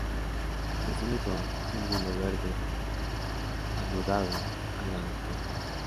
Se ciñe con cíngulo verde anudado al lado izquierdo.